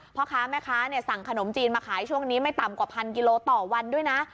พ่อค้าแม่ค้าสั่งขนมจีนมาขายช่วงนี้ไม่ต่ำกว่าพันกิโลต่อวันด้วยนะ